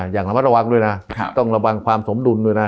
อย่างระมัดระวังด้วยนะต้องระวังความสมดุลด้วยนะ